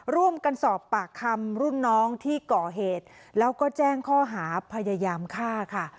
ร่วมกันสอบปากคำรุ่นน้องที่ก่อเหตุแล้วก็แจ้งข้อหาพยายามฆ่าค่ะ